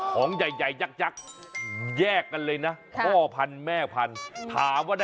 พ่อพันเม่พันรวมเป็น๒พันแล้วนะ